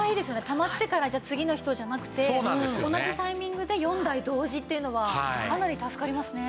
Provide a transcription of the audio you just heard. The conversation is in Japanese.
たまってから次の人じゃなくて同じタイミングで４台同時っていうのはかなり助かりますね。